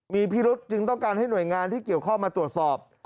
มีพิรุษจึงต้องการให้หน่วยงานที่เกี่ยวข้องมาตรวจสอบ